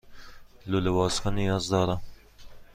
لوله بازکن نیاز دارم.